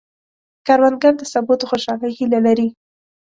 کروندګر د سبو د خوشحالۍ هیله لري